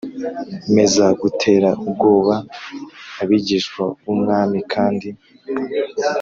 meza gutera ubwoba abigishwa b Umwami kandi